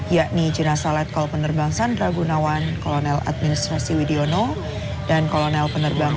yakni jenasa letkol penerbang sandra gunawan kolonel administrasi widiono dan kolonel penerbang